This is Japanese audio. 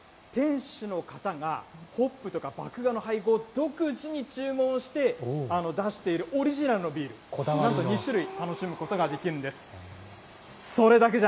これ、普通のビールじゃなくて、店主の方がホップとか麦芽の配合を独自に注文して、出しているオリジナルのビール、なんと２種類楽しむことができるんです。